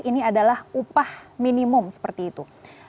ini adalah upah minimum seperti itu